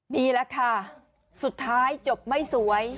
นี่แหละค่ะสุดท้ายจบไม่สวย